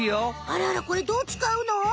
あらあらこれどうつかうの？